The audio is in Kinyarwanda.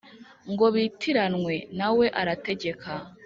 ngo bitiranwe nawe arategeka